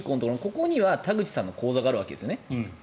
ここには田口さんの口座があるわけですよね。